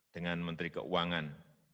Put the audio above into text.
dengan menteri keuangan